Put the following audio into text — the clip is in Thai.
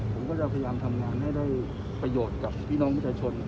ผมก็จะพยายามทำงานให้ได้ประโยชน์กับพี่น้องประชาชน